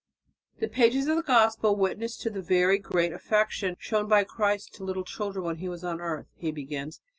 "The pages of the Gospel witness to the very great affection shown by Christ to little children when He was on earth," he begins.